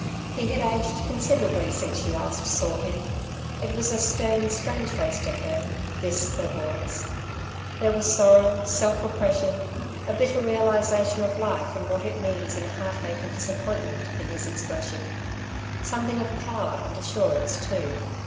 He had aged considerable since she last saw him. It was a stern, strange face to her, this her boy's. There were sorrow, self repression, a bitter realisation of life and what it means in heartache and disappointment, in his expression; something of power and assurance too.